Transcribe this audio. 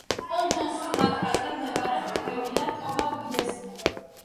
კუნძულ სუმატრაზე მდებარე ტბებიდან ტობა უდიდესია.